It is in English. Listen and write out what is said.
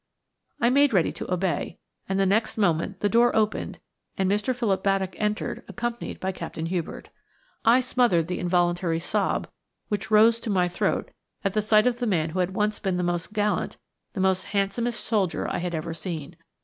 I made ready to obey, and the next moment the door opened and Mr. Philip Baddock entered, accompanied by Captain Hubert. I smothered the involuntary sob which rose to my throat at sight of the man who had once been the most gallant, the handsomest soldier I had ever seen.